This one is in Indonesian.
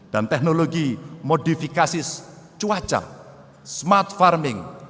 dan teknologi modifikasi cuaca smart farming